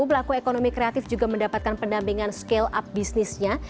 pelaku ekonomi kreatif juga mendapatkan pendampingan scale up bisnisnya